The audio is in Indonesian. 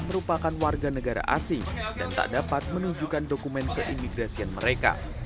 merupakan warga negara asing dan tak dapat menunjukkan dokumen keimigrasian mereka